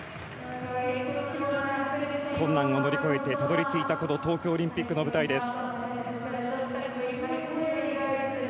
困難を乗り越えてたどり着いた東京オリンピックの舞台です。